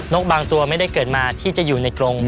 กบางตัวไม่ได้เกิดมาที่จะอยู่ในกรง